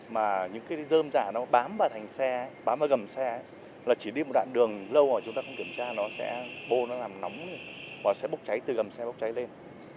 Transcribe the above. mà những cái dơm dạ nó bám vào thành xe bám vào gầm xe là chỉ đi một đoạn đường lâu mà chúng ta không kiểm tra nó sẽ bô nó làm nóng và sẽ bốc cháy từ gầm xe bốc cháy lên